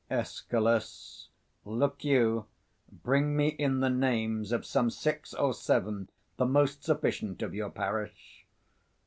Escal. Look you bring me in the names of some six or seven, the most sufficient of your parish.